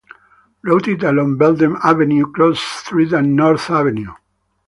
Routed along Belden Avenue, Cross Street, and North Avenue.